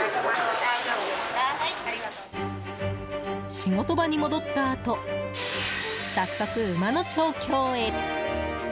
仕事場に戻ったあと早速、馬の調教へ。